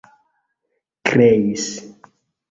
kreis